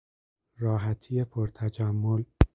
راحتی پرتجمل